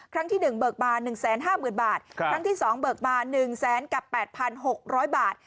ครั้งที่๑เบิกมา๑๕๐๐๐บาทครั้งที่๒เบิกมา๑แสนกับ๘๖๐๐บาท